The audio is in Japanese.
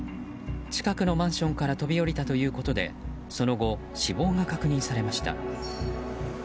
近くのマンションから飛び降りたということでその後、死亡が確認されました。